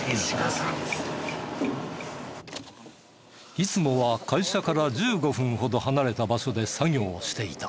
いつもは会社から１５分ほど離れた場所で作業をしていた。